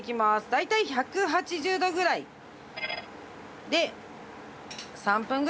大体１８０度ぐらいで３分ぐらいかな。